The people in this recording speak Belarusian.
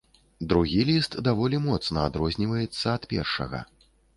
Другі ліст даволі моцна адрозніваецца ад першага.